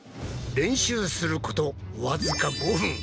練習することわずか５分。